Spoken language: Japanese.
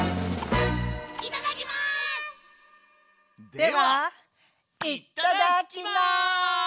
ではいただきます！